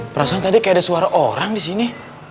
perasaan tadi kayak ada suara orang disini